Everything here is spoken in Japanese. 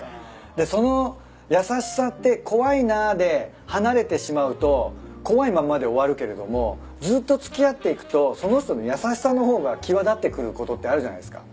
でその優しさって怖いなで離れてしまうと怖いまんまで終わるけれどもずっと付き合っていくとその人の優しさの方が際立ってくることってあるじゃないすか。